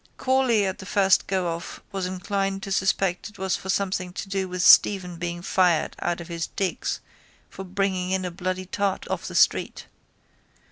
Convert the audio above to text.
Corley at the first go off was inclined to suspect it was something to do with Stephen being fired out of his digs for bringing in a bloody tart off the street.